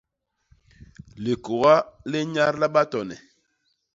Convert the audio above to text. Likôga li nnyadla batone.